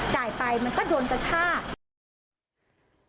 จ่ายไปมันก็โดนกระชาก